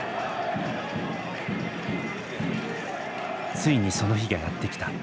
ついにその日がやって来た。